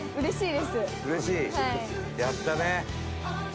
やったね。